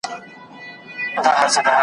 صبر راکړې خدایه